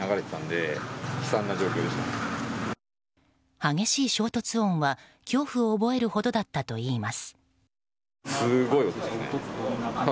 激しい衝突音は、恐怖を覚えるほどだったといいます。